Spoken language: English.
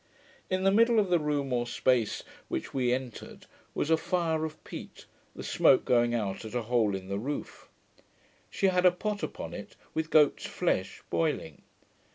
In the middle of the room or space which we entered, was a fire of peat, the smoke going out at a hole in the roof. She had a pot upon it, with goat's flesh, boiling.